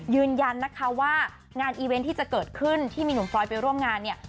ยืนยันนะคะว่างานอีเวนต์ที่จะเกิดขึ้นที่มีหนุ่มฟรอยไปร่วมงานเนี่ย